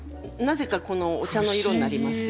なぜかこのお茶の色になります。